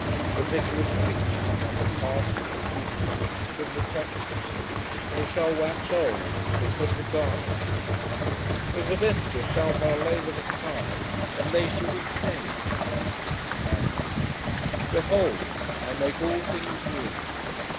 The vicar was preaching, on the past and the future, from the texts 'They shall wax old, as doth a garment; as a vesture shalt thou lay them aside, and they shall be changed,' and 'Behold, I make all things new.'